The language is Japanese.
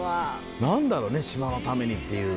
何だろうね島のためにっていう。